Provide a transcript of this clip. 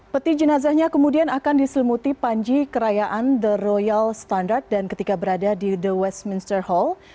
peti jenazahnya kemudian akan diselimuti panji kerayaan the royal standard dan ketika berada di the westminster hall